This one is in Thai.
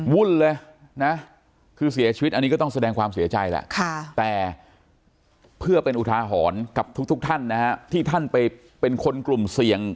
วุ่นเลยนะคือเสียชีวิตอันนี้ก็ต้องแสดงความเสียใจแหละแต่เพื่อเป็นอุทาหรณ์กับทุกท่านนะฮะที่ท่านไปเป็นคนกลุ่มเสี่ยง